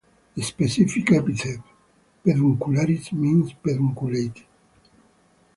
The specific epithet ("peduncularis") means "pedunculate".